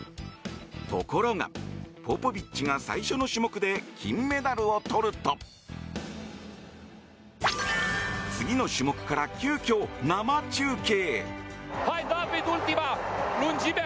ところがポポビッチが最初の種目で金メダルをとると次の種目から急きょ、生中継。